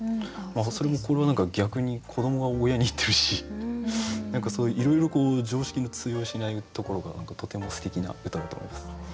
それもこれは何か逆に子どもが親に言ってるし何かそういういろいろ常識の通用しないところがとてもすてきな歌だと思います。